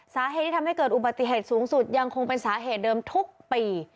สาเหตุที่ทำให้เกิดอุบัติเหตุสูงสุดยังคงเป็นสาเหตุเดิมทุกปี